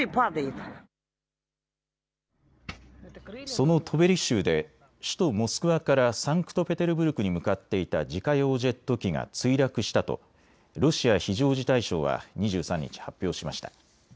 そのトベリ州で首都モスクワからサンクトペテルブルクに向かっていた自家用ジェット機が墜落したとロシア非常事態省は２３日、発表しました。